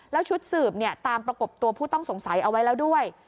แล้วชุดสืบตามประกบตัวผู้ต้องสงสัยเอาไว้แล้วด้วย